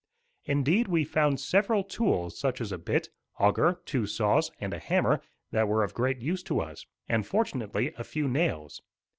Indeed, we found several tools, such as a bit, auger, two saws; and a hammer that were of great use to us; and fortunately a few nails.